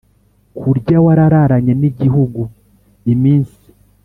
kurya wararanye n'igihugu iminsi